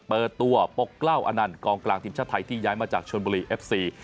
เปิดตัวปกเกล้าอนันต์กองกลางทีมชาติไทยที่ย้ายมาจากชนบุรีเอฟซี